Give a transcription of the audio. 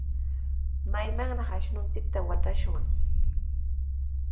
¿Maytrawraq ashnunchikta watashwan?